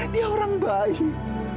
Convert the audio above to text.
dia orang baik